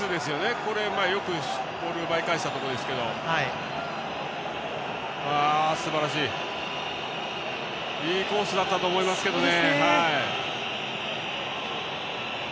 これよくボール奪い返したところですけどすばらしい、いいコースだったと思いますけどね。